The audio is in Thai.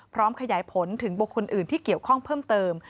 ขยายผลถึงบุคคลอื่นที่เกี่ยวข้องเพิ่มเติม